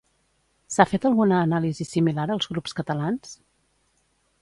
S'ha fet alguna anàlisi similar als grups catalans?